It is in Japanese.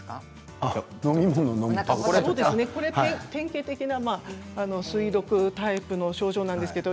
典型的な水毒タイプの症状です。